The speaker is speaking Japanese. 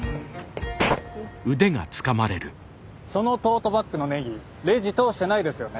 そのトートバッグのネギレジ通してないですよね？